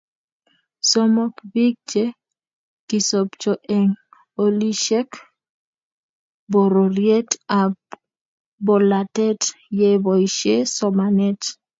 Somok, biik che kisopcho eng olisiet, bororiet ak bolatet ye boisie somanet